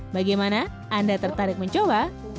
bagaimana anda tertarik mencoba